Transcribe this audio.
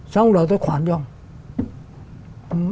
xong rồi tôi khoán cho ông